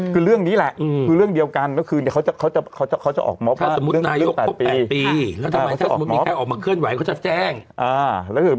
คือเรื่องนี้แหละคือเรื่องเดียวกันก็คือเขาจะเขาจะเขาจะออกเมื่อ